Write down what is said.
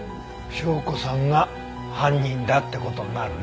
紹子さんが犯人だって事になるね。